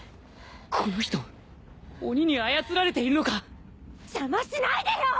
この人鬼に操られているのか！？邪魔しないでよ！